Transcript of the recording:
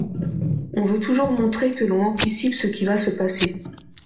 On veut toujours montrer que l’on anticipe ce qui va se passer.